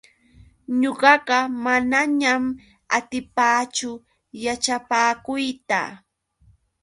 Ñuqaqa manañam atipaachu yaćhapakuyta.